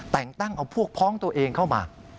แต่งตั้งเอาพวกพ้องตัวเองเข้ามา